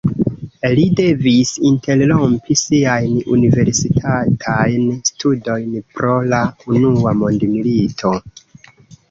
Li devis interrompi siajn universitatajn studojn pro la unua mondmilito.